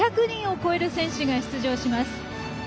２００人を超える選手が出場します。